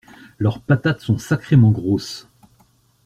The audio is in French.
Leurs patates sont sacrément grosses.